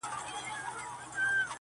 • یا به نن یا به سباوي زه ورځمه,